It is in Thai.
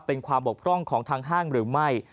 เป็นความบกพร่องของทางห้างหรือไม่